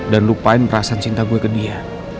dan lupain perasaan cinta gue ke dia